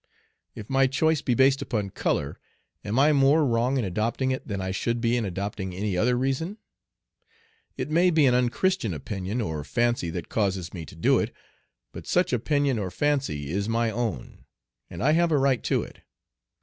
If my choice be based upon color, am I more wrong in adopting it than I should be in adopting any other reason? it may be an unchristian opinion or fancy that causes me to do it, but such opinion or fancy is my own, and I have a right to it.